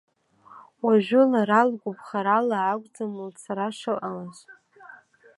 Уажәы лара лгәаԥхарала акәӡам лцара шыҟалаз.